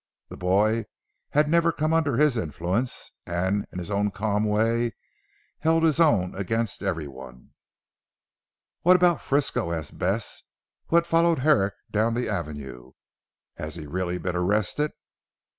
The boy had never come under his influence, and in his own calm way held his own against everyone. "What about Frisco?" asked Bess who had followed Herrick down the avenue, "has he really been arrested?"